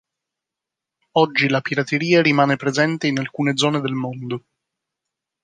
Oggi la pirateria rimane presente in alcune zone del mondo.